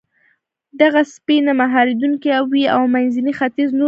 دغه څپې نه مهارېدونکې وې او منځني ختیځ نورو برخو ته وغځېدې.